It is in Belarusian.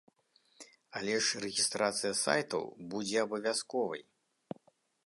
Але ж рэгістрацыя сайтаў будзе абавязковай.